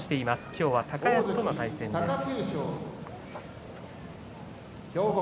今日は高安との対戦です。